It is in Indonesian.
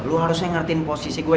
lu harusnya ngertiin posisi gue